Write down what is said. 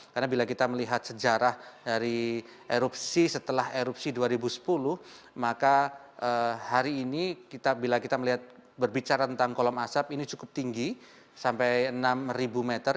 karena bila kita melihat sejarah dari erupsi setelah erupsi dua ribu sepuluh maka hari ini bila kita melihat berbicara tentang kolam asap ini cukup tinggi sampai enam meter